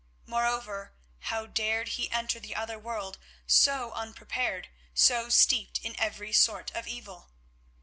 Moreover, how dared he enter the other world so unprepared, so steeped in every sort of evil?